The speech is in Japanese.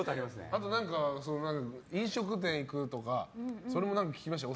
あとは飲食店行くとか聞きましたよ。